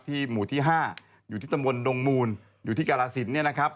หมู่ที่๕อยู่ที่ตำบลดงมูลอยู่ที่กรสินเนี่ยนะครับ